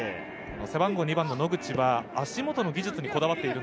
２番の野口は足元の技術にこだわっています。